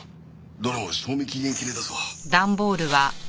どれも賞味期限切れだぞ。